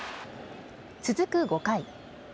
続く５回。